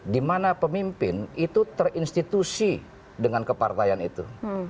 di mana pemimpin itu terinstitusi dengan kepartaian itu